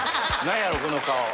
何やろうこの顔。